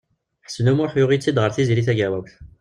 Ḥsen U Muḥ yuɣ-itt-id ɣer Tiziri Tagawawt.